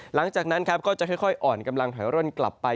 หลังจากนั้นครับก็จะค่อยอ่อนกำลังถอยร่นกลับไป